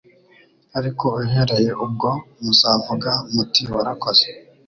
ariko uhereye ubwo muzavuga muti warakoze